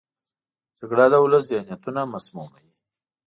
جګړه د ولس ذهنونه مسموموي